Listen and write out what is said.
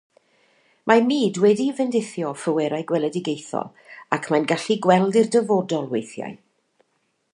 Mae Mud wedi'i fendithio â phwerau gweledigaethol ac mae'n gallu gweld i'r dyfodol weithiau